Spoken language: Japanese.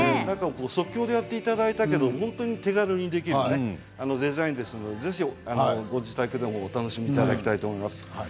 即興でやっていただいたけど、手軽にできるデザインですのでご自宅でもお楽しみいただきたいと思います。